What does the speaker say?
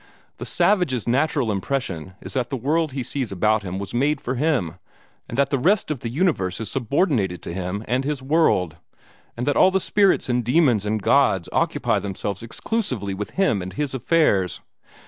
The savage's natural impression is that the world he sees about him was made for him, and that the rest of the universe is subordinated to him and his world, and that all the spirits and demons and gods occupy themselves exclusively with him and his affairs.